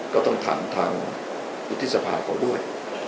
ก็ต้องถามทางวุฒิสภาเขาด้วย